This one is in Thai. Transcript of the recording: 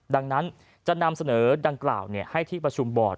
ดังนั้นจะนำเสนอดังกล่าวให้ที่ประชุมบอร์ด